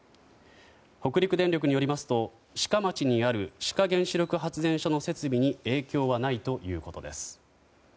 北陸電力によりますと志賀町にある志賀原子力発電所の電力に影響はないということです。